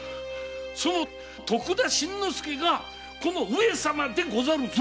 その徳田新之助がこの上様でござるぞ！